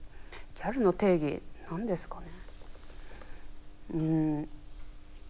ギャルの定義何ですかね？